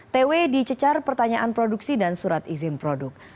tw dicecar pertanyaan produksi dan surat izin produk